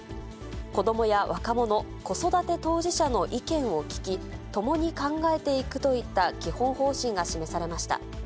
こどもや若者、子育て当事者の意見を聞き、共に考えていくといった基本方針が示されました。